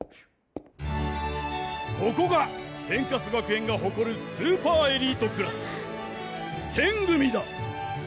ここが天カス学園が誇るスーパーエリートクラステン組だ！